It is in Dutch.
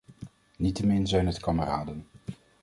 Niettemin zijn het kameraden.